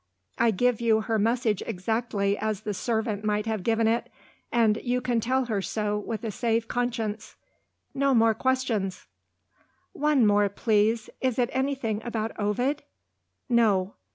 I give you her message exactly as the servant might have given it and you can tell her so with a safe conscience. No more questions!" "One more, please. Is it anything about Ovid?" "No."